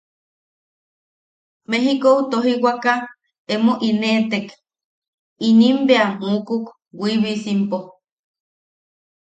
Mejikou tojiwaka emo ineʼetek, inim bea muukuk Wiibisimpo.